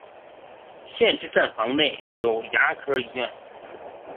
现时站房内有牙科医院。